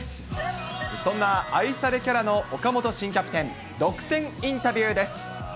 そんな愛されキャラの岡本新キャプテン、独占インタビューです。